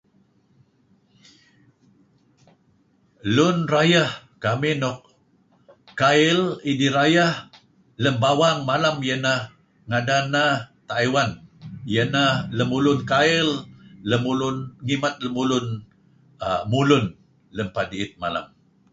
Lun rayeh kamih nuk kail idih rayeh lem bawang malem iyeh neh ngadan neh Tae'ewen. Iyeh neh lemulun kail, lemulun ngimet lemulun err mulun lem Pa' Di'it malem.